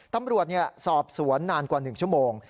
ตำรวจสอบสวนนานกว่า๑ชั่วโมง